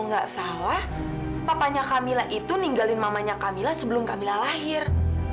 yang didengar sih kalau nggak salah papanya kamila itu ninggalin mamanya kamila sebelum kamila lahir